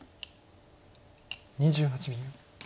２８秒。